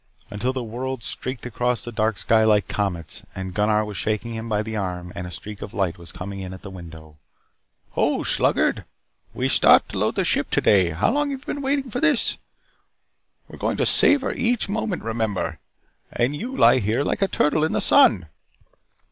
Until the worlds streaked across the dark sky like comets. And Gunnar was shaking him by the arm and a streak of light was coming in at the window. "Ho, sluggard. We start to load the ship today. How long have you waited for this? We were going to savor each moment, remember! And you lie here like a turtle in the sun."